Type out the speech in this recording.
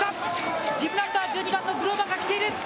１２番のグローバクが来ている！